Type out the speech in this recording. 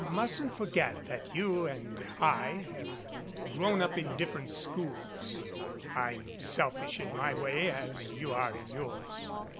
FAGABONDIA mustn't forget that you and I have grown up in different schools. I'm selfish in my way as you are in yours.